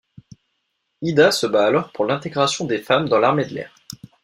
Ida se bat alors pour l'intégration des femmes dans l'armée de l'air.